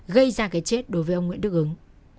gây ra cái chết đối với ông nguyễn đức ứng